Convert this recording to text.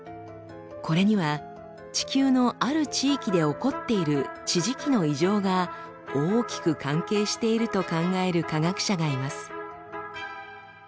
これには地球のある地域で起こっている地磁気の異常が大きく関係していると考える科学者がいます。